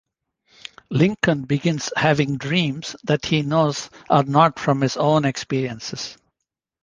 Lincoln begins having dreams that he knows are not from his own experiences.